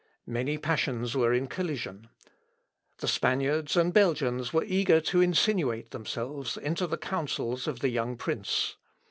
Many passions were in collision. The Spaniards and Belgians were eager to insinuate themselves into the counsels of the young prince.